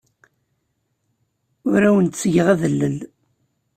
Ur awen-ttgeɣ adellel.